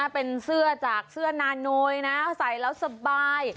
เป็นเสื้อจากเสื้อนาโนยนะใส่แล้วสบาย